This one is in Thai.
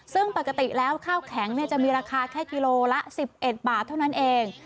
ซึ่งปกติแล้วข้าวแข็งจะมีราคาแค่กิโลละ๑๑บาทเท่านั้นเอง